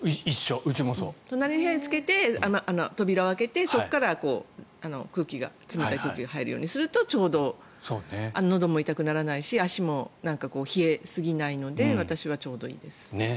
隣の部屋につけて扉を開けてそこから冷たい空気が入るようにするとちょうど、のども痛くならないし足も冷えすぎないので私はちょうどいいです。